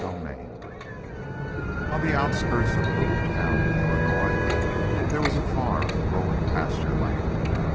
EPILOGUE On the outskirts of a little town in Illinois there was a farm of rolling pasture land.